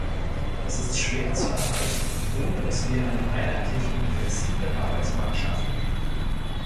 Das ist schwer zu erreichen, ohne dass wir einen einheitlichen und flexiblen Arbeitsmarkt schaffen.